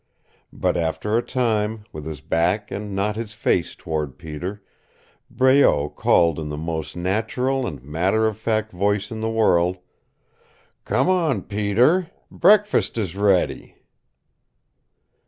But after a time, with his back and not his face toward Peter, Breault called in the most natural and matter of fact voice in the world, "Come on, Peter. Breakfast is ready!"